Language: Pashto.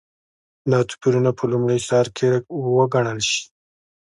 دا توپیرونه په لومړي سرکې کم وګڼل شي.